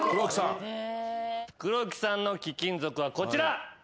黒木さんの貴金属はこちら。